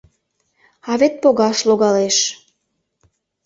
А вет погаш логалеш.